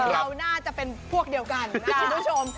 เราน่าจะเป็นพวกเดียวกันนะคุณผู้ชม